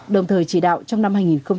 đồng thời chỉ đạo trong năm hai nghìn hai mươi